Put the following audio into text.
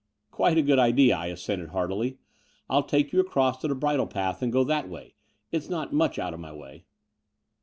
Quite a good idea," I assented heartily. "I'll take you across to the bridle path and go that way. It's not much out of my way."